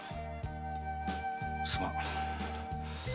すまん。